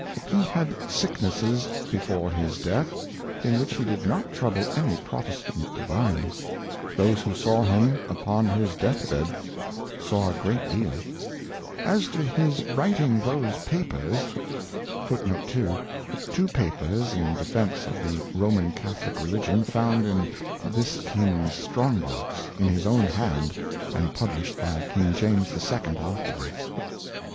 HeTiad Sicknesses before his Death, in which he did not trouble any Protestant Divines ; those who saw him upon his Death bed, saw a great deal. As to his writing those ^ Papers, he might do it. Though neither ^ Upon the Words of his Declaration. "^ Two Papers in Defence of the Roman Catholick Religion, found in this King's strong Box, in his own hand, and published by King James II. afterwards.